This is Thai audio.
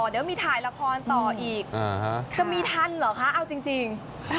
เดี๋ยวมีถ่ายละครต่ออีกจะมีทันเหรอคะเอาจริง